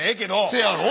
せやろ。